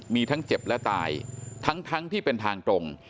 มีทั้งเจ็บและตายทั้งที่เป็นทางตรง